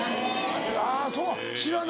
あぁそう知らない。